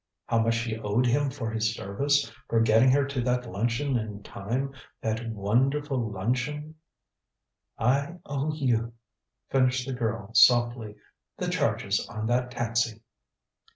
How much she owed him for his service for getting her to that luncheon in time that wonderful luncheon "I owe you," finished the girl softly, "the charges on that taxi."